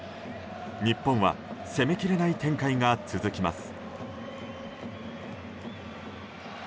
日本は攻めきれない展開が続きます。